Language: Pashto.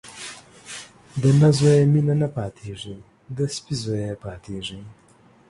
د نه زويه مينه نه پاتېږي ، د سپي زويه پاتېږي.